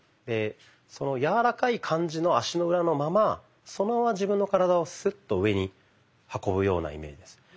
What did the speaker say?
でその柔らかい感じの足の裏のままそのまま自分の体をスッと上に運ぶようなイメージです。